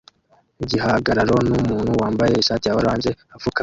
igihagararo numuntu wambaye ishati ya orange apfukamye